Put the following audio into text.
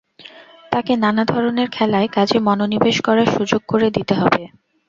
তাকে নানা ধরনের খেলায়, কাজে মনোনিবেশ করার সুযোগ করে দিতে হবে।